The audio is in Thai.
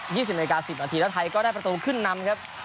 สี่สิบประอกาสสิบนาทีแล้วไทยก็ได้ประตูขึ้นนำนะครับ